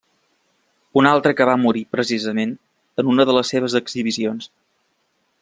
Una altra que va morir precisament en una de les seves exhibicions.